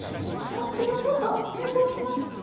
あっでもちょっと演奏してます。